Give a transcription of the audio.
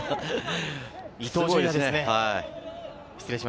伊東純也ですね。